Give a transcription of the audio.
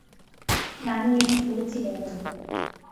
南宁府解围。